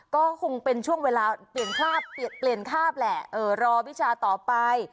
ก็คงเป็นช่วงเวลาเปลี่ยนภาพแหละรอวิชาต่อไป